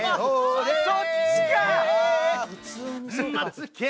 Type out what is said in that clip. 「そっちか！」